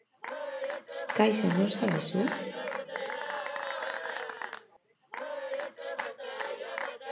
Ikasleek jaso dituzte jada selektibitateko notak.